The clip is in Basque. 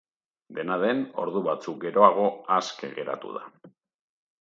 Dena den, ordu batzuk geroago aske geratu da.